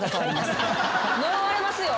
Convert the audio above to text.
呪われますよ。